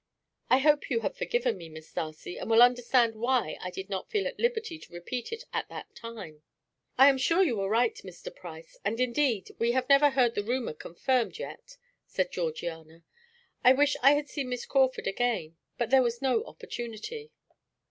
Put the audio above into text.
I hope you have forgiven me, Miss Darcy, and will understand why I did not feel at liberty to repeat it at that time." "I am sure you were right, Mr. Price, and indeed we have never heard the rumour confirmed yet," said Georgiana. "I wish I had seen Miss Crawford again, but there was no opportunity."